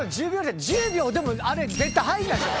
１０秒でもあれ絶対入んないでしょ？